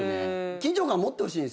緊張感持ってほしいんですよ。